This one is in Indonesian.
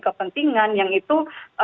kepentingan yang itu